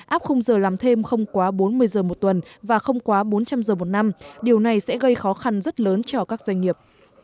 áp khung giờ làm thêm không quá bốn mươi giờ một tuần và không quá bốn trăm linh giờ một năm điều này sẽ gây khó khăn rất lớn cho các doanh nghiệp